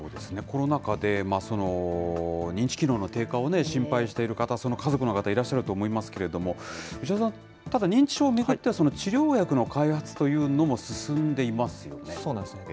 コロナ禍で、その認知機能の低下を心配している方、その家族の方、いらっしゃると思いますけれども、牛田さん、ただ認知症を巡っては治療薬の開発というのも進んでいますよね。